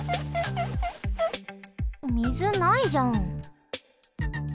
みずないじゃん。